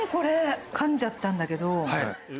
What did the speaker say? かんじゃったんだけど。